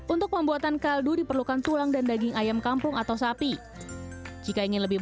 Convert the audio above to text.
untuk pembuatan kaldu diperlukan tulang dan daging ayam kampung atau sapi